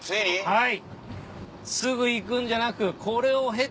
はい。